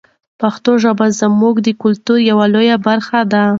پښتو ژبه زموږ د کلتور یوه لویه برخه ده.